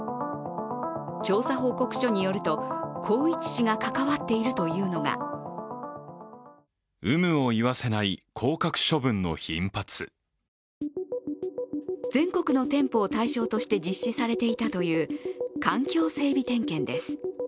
調査報告書によりますと、宏一氏が関わっているというのが全国の店舗を対象として実施されていたという環境整備点検です。